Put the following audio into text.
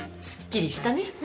すっきりしたね。